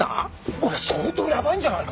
これは相当やばいんじゃないか！？